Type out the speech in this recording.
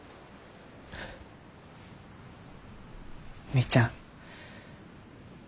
みーちゃん。